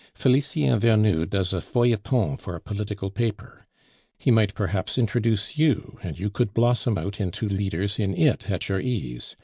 Felicien Vernou does a feuilleton for a political paper; he might perhaps introduce you, and you could blossom out into leaders in it at your ease.